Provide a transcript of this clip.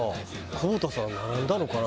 久保田さん並んだのかな？